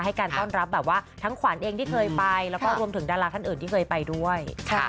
การต้อนรับแบบว่าทั้งขวัญเองที่เคยไปแล้วก็รวมถึงดาราท่านอื่นที่เคยไปด้วย